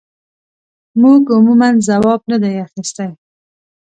موږ عموماً ځواب نه دی اخیستی.